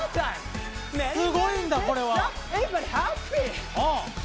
すごいんだ、これは。